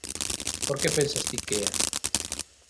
Por que pensas ti que é?